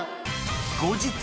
後日。